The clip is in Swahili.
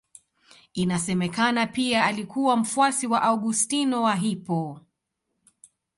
Inasemekana pia alikuwa mfuasi wa Augustino wa Hippo.